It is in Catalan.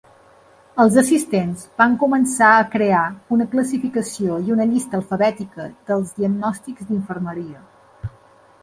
Els assistents van començar a crear una classificació i una llista alfabètica dels diagnòstics d'infermeria.